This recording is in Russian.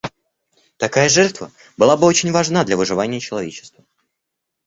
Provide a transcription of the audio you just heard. Такая жертва была бы очень важна для выживания человечества.